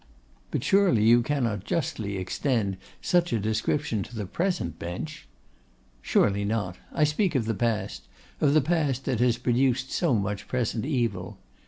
'But surely you cannot justly extend such a description to the present bench?' 'Surely not: I speak of the past, of the past that has produced so much present evil.